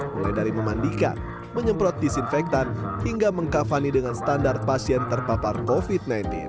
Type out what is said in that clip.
mulai dari memandikan menyemprot disinfektan hingga mengkavani dengan standar pasien terpapar covid sembilan belas